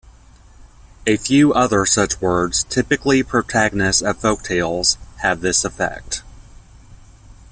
A few other such words, typically protagonists of folk-tales, have this effect.